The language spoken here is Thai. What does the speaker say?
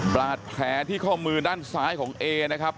บาดแผลที่ข้อมือด้านซ้ายของเอนะครับ